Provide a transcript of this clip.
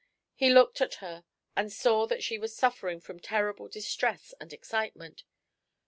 He looked at her and saw that she was suffering from terrible distress and excitement.